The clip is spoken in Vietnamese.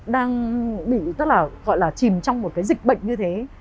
đang bị rất là gọi là chìm trong một cái dịch bệnh như thế